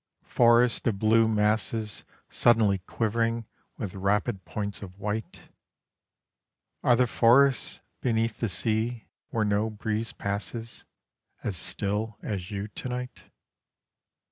Forest of blue masses suddenly quivering with rapid points of white, Are the forests beneath the sea where no breeze passes As still as you to night?